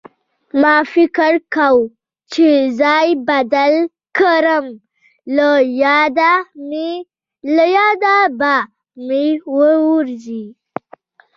ما فکر کوه چې ځای بدل کړم له ياده به مې ووځي